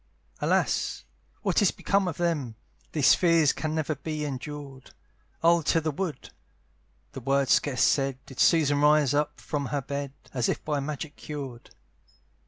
"Alas! what is become of them? "These fears can never be endured, "I'll to the wood." The word scarce said, Did Susan rise up from her bed, As if by magic cured.